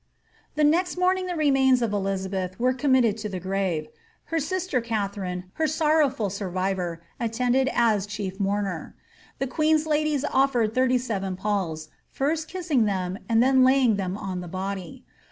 The next morning the remains of Elizabeth were conunitted to the grave ; her sister Katharine, her sorrowful survivor, attended as chief mourner. The queen's ladies ofiered thirty seven palls, first kissing ihem, and then laying them on the body.